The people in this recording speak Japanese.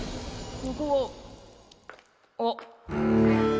ここは？あっ。